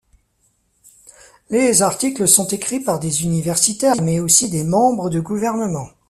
Les articles sont écrits par des universitaires mais aussi des membres de gouvernement.